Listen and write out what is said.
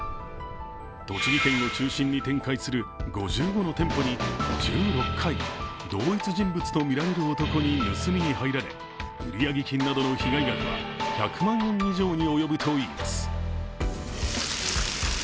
栃木県を中心に展開する５５の店舗に１６回同一人物とみられる男に盗みに入られ売上金などの被害額は１００万円以上に及ぶといいます。